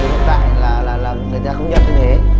thế bây giờ bây giờ hiện tại là người ta không nhận thêm thế